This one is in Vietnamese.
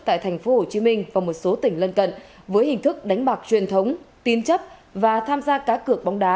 tại tp hcm và một số tỉnh lân cận với hình thức đánh bạc truyền thống tín chấp và tham gia cá cược bóng đá